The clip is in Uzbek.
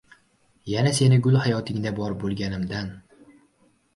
Yana seni gul hayotingda, bor bo‘lganimdan